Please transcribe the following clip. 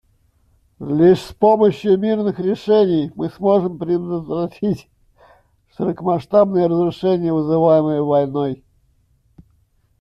Лишь с помощью мирных решений мы сможем предотвратить широкомасштабные разрушения, вызываемые войной.